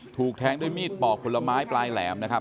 ถูกแทงด้วยมีดปอกผลไม้ปลายแหลมนะครับ